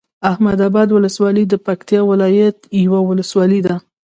احمداباد ولسوالۍ د پکتيا ولايت یوه ولسوالی ده